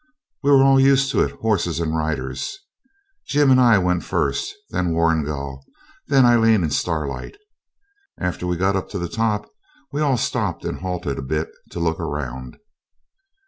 We were all used to it, horses and riders. Jim and I went first, then Warrigal, then Aileen and Starlight. After we got up to the top we all stopped and halted a bit to look round.